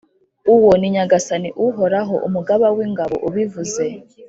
Uwo ni Nyagasani Uhoraho, Umugaba w’ingabo, ubivuze.